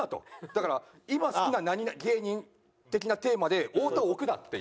だから「今好きな芸人」的なテーマで太田置くなっていう。